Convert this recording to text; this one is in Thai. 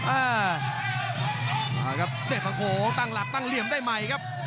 อ่ามาครับเศษประโขงตั้งหลักตั้งเหลี่ยมได้ใหม่ครับ